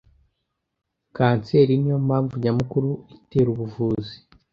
Kanseri niyo mpamvu nyamukuru itera ubuvuzi.